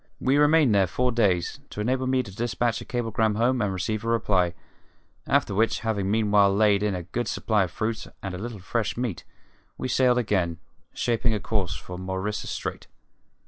We remained there four days, to enable me to dispatch a cablegram home and receive a reply; after which, having meanwhile laid in a good supply of fruit and a little fresh meat, we sailed again, shaping a course for Maurissa Strait.